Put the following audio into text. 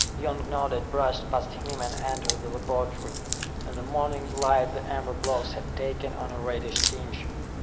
Young nodded, brushed past him, and entered the laboratory. In the morning light the amber blocks had taken on a reddish tinge.